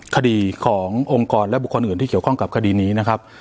คดีขององค์กรและบุคคลอื่นที่เกี่ยวข้องกับคดีนี้นะครับ